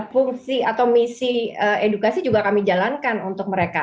fungsi atau misi edukasi juga kami jalankan untuk mereka